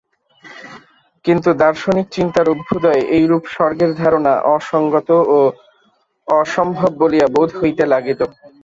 কিন্তু দার্শনিক চিন্তার অভ্যুদয়ে এইরূপ স্বর্গের ধারণা অসঙ্গত ও অসম্ভব বলিয়া বোধ হইতে লাগিল।